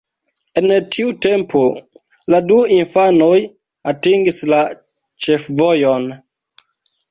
En tiu tempo la du infanoj atingis la ĉefvojon.